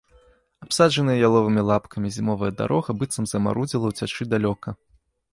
Абсаджаная яловымі лапкамі зімовая дарога быццам замарудзіла ўцячы далёка.